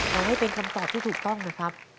ขอให้เป็นคำตอบที่ถูกต้องนะครับ